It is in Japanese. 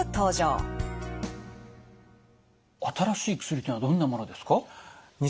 新しい薬というのはどんなものですか？